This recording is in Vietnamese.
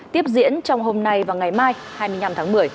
tiếp diễn trong hôm nay và ngày mai hai mươi năm tháng một mươi